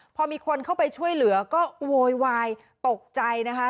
พอมีคนเข้าไปช่วยเหลือก็โวยวายตกใจนะคะ